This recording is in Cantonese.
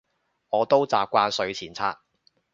我都習慣睡前刷